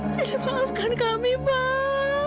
jadi maafkan kami pak